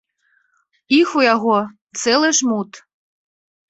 Іх у яго цэлы жмут.